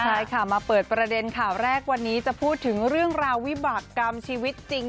ใช่ค่ะมาเปิดประเด็นข่าวแรกวันนี้จะพูดถึงเรื่องราววิบากรรมชีวิตจริง